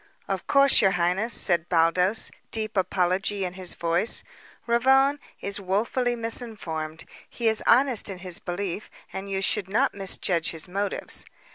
"Of course, your highness," said Baldos, deep apology in his voice, "Ravone is woefully misinformed. He is honest in his belief, and you should not misjudge his motives.